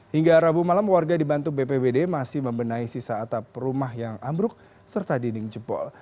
hingga rabu malam warga dibantu bpbd masih membenahi sisa atap rumah yang ambruk serta dinding jebol